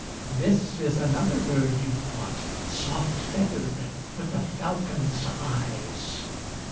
This is another bird you've caught, Soft feathered, with a falcon's eyes.